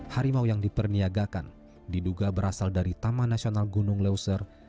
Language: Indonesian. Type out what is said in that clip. harimau yang diperniagakan diduga berasal dari taman nasional gunung leuser